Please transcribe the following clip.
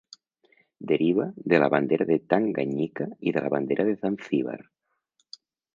Deriva de la bandera de Tanganyika i de la bandera de Zanzíbar.